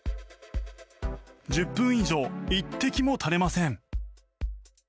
１０分以上、一滴も垂れません。